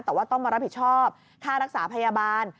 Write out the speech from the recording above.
แต่ว่าต้องมารับผิดชอบค่ารักษาพยาบาล